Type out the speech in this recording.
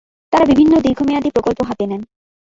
তারা বিভিন্ন দীর্ঘমেয়াদি প্রকল্প হাতে নেন।